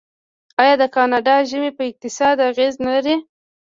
آیا د کاناډا ژمی په اقتصاد اغیز نلري؟